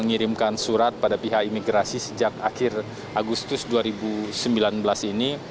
mengirimkan surat pada pihak imigrasi sejak akhir agustus dua ribu sembilan belas ini